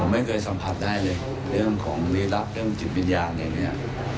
ผมไม่เคยสัมผัสได้เลยเรื่องของรีลักษณ์เรื่องจิตมิญญาณแบบเนี้ย